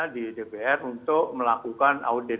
di dpr untuk melakukan audit